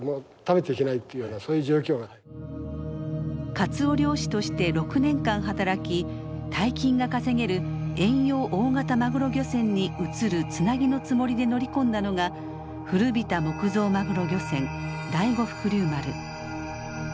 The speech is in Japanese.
カツオ漁師として６年間働き大金が稼げる遠洋大型マグロ漁船に移るつなぎのつもりで乗り込んだのが古びた木造マグロ漁船第五福竜丸。